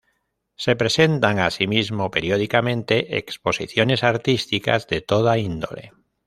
Se presentan así mismo periódicamente exposiciones artísticas de toda índole.